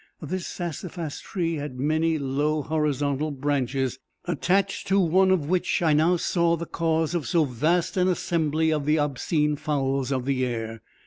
This sassafras tree had many low horizontal branches, attached to one of which I now saw the cause of so vast an assembly of the obscene fowls of the air.